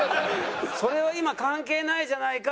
「それは今関係ないじゃないか」